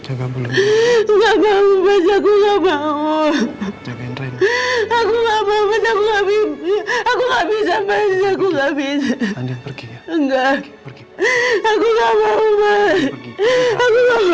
enggak aku nggak mau aku nggak bisa aku nggak bisa aku nggak bisa enggak aku nggak mau mas